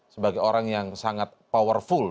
sebagai orang yang sangat powerful